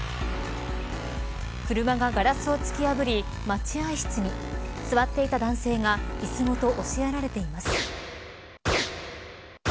車がガラスを突き破り、待合室に座っていた男性が椅子ごと押しやられています。